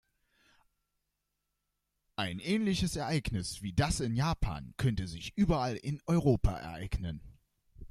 Ein ähnliches Ereignis wie das in Japan könnte sich überall in Europa ereignen.